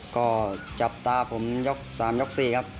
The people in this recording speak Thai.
ก็จับตาผมยก๓ยก๔ครับ